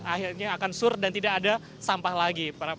akhirnya akan sur dan tidak ada sampah lagi